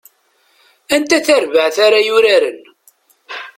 Anta tarbaɛt ara yuraren?